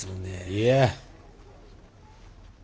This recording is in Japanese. いや。